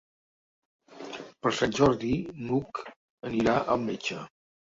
Per Sant Jordi n'Hug anirà al metge.